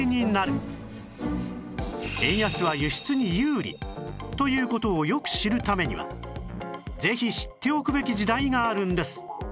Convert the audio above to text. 円安は輸出に有利という事をよく知るためにはぜひ知っておくべき時代があるんです